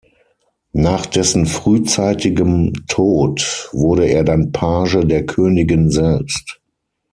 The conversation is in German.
Nach dessen frühzeitigem Tod wurde er dann Page der Königin selbst.